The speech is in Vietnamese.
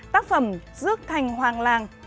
tác phẩm dước thành hoàng làng